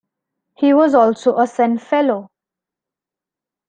He was also a Sun Fellow.